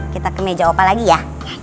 kita ke meja apa lagi ya